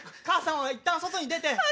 母さんはいったん外に出て。